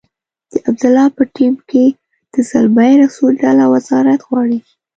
د عبدالله په ټیم کې د زلمي رسول ډله وزارت غواړي.